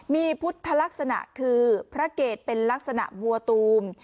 มีพุทธลักษณะคือพระเกตเป็นลักษณะวัวตูม